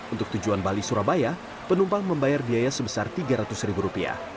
untuk tujuan bali surabaya penumpang membayar biaya sebesar rp tiga ratus